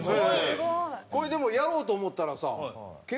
すごい！これでもやろうと思ったらさ。